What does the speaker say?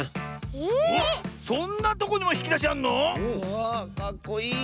かっこいい！